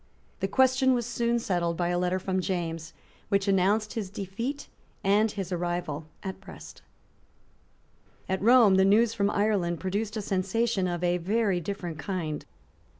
The question was soon settled by a letter from James, which announced his defeat and his arrival at Brest, At Rome the news from Ireland produced a sensation of a very different kind.